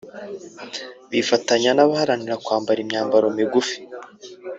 bifatanya n’abaharanira kwambara imyambaro migufi